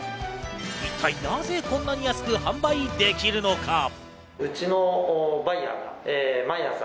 一体なぜ、こんなに安く販売できるのか？